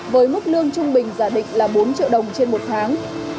với mức lương trung bình giả định là bốn triệu đồng trên một tháng